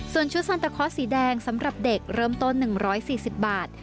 ส่วนชุดซันตะคอสสีแดงสำหรับเด็กเริ่มต้น๑๔๐บาท